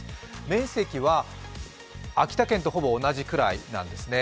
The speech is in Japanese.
面積は、秋田県とほぼ同じくらいなんですね。